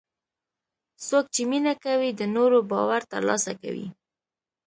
څوک چې مینه کوي، د نورو باور ترلاسه کوي.